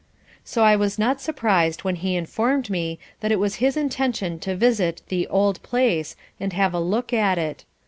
So I was not surprised when he informed me that it was his intention to visit "the old place" and have a look at it.